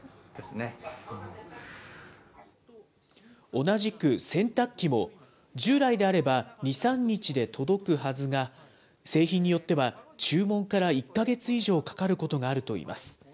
同じく洗濯機も、従来であれば、２、３日で届くはずが、製品によっては注文から１か月以上かかることがあるといいます。